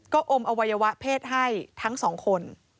ก็อมอวัยวะเพศให้ทั้งสองคน